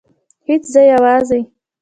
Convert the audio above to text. هیڅ زه یوازې